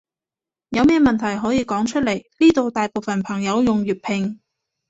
有咩問題可以講出來，呢度大部分朋友用粵拼